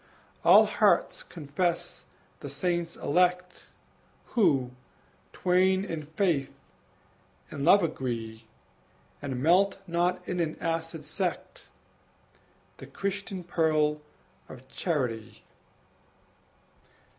All hearts confess the saints elect Who, twain in faith, in love agree, And melt not in an acid sect The Christian pearl of charity!